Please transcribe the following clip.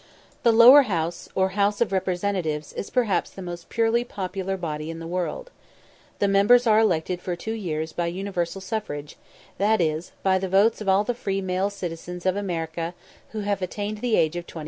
The Lower House, or House of Representatives, is perhaps the most purely popular body in the world. The members are elected for two years by universal suffrage, that is, by the votes of all the free male citizens of America who have attained the age of 21.